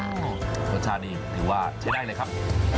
รสชาติดีถือว่าใช้ได้เลยครับ